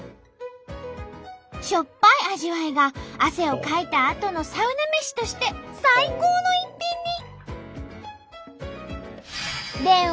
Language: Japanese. しょっぱい味わいが汗をかいたあとのサウナ飯として最高の一品に！